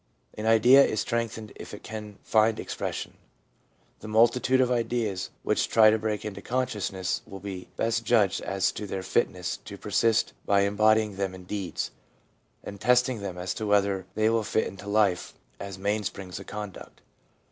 An idea is strengthened if it can find expression. The multitude of ideas which try to break into consciousness will be best judged as to their fitness to persist by embodying them in deeds, and testing them as to whether they will fit into life as mainsprings of conduct.